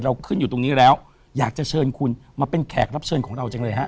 ขึ้นอยู่ตรงนี้แล้วอยากจะเชิญคุณมาเป็นแขกรับเชิญของเราจังเลยฮะ